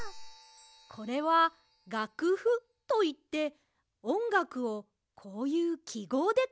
これは「がくふ」といっておんがくをこういうきごうでかいたものですよ。